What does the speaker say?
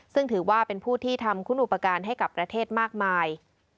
ซึ่งถือว่าเป็นผู้ที่ทำคุณอุปการณ์ให้กับประเทศมากมาย